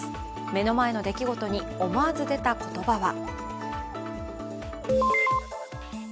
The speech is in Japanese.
目の前の出来事に、思わず出た言葉は？